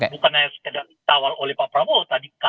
bukan sekedar dikawal oleh pak prabowo tadi